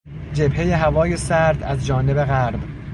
جبههی هوای سرد از جانب غرب